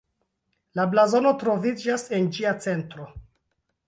La blazono troviĝas en ĝia centro.